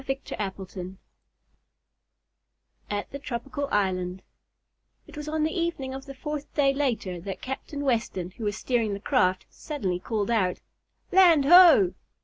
Chapter Fifteen At the Tropical Island It was on the evening of the fourth day later that Captain Weston, who was steering the craft, suddenly called out: "Land ho!"